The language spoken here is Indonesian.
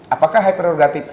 apakah hak prerogatif